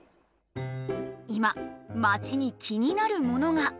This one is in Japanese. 今街に気になるものが。